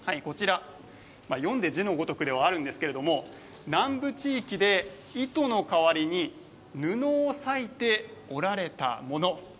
読んで字のごとくではあるんですけれど南部地域で糸の代わりに布を裂いて織られたもの。